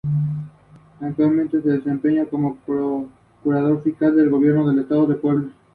Cuba contiene la mayor diversidad de especies.